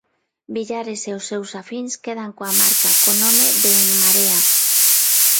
Villares e os seus afíns quedan coa marca, co nome de En Marea.